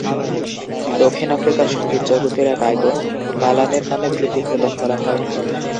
দক্ষিণ আফ্রিকার সঙ্গীত জগতের এক আইকন, মালানের নামে বৃত্তি প্রদান করা হয়।